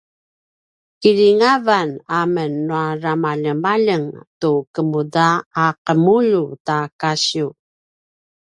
kilingavan amen nua ramaljemaljeng tu kemuda a qemuyulj ta kasiv